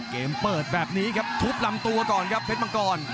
เกมเปิดแบบนี้ครับทุบลำตัวก่อนครับเพชรมังกร